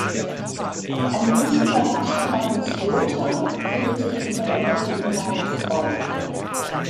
Eine Liste der Herrscher namens Lothar findet sich unter der heutigen Namensform.